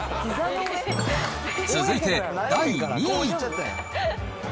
続いて、第２位。